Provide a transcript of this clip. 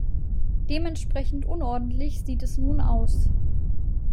Dementsprechend unordentlich sieht es nun aus.